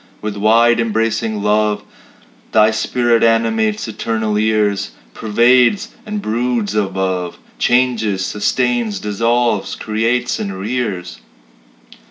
With wide embracing love Thy spirit animates eternal years Pervades and broods above, Changes, sustains, dissolves, creates, and rears.